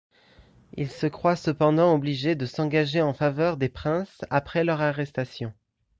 Il se croit cependant obligé de s’engager en faveur des princes après leur arrestation.